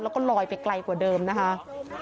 แล้วก็ลอยไปไกลกว่าเดิมนะคะ